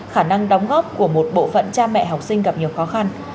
khả năng đóng góp của một bộ phận cha mẹ học sinh gặp nhiều khó khăn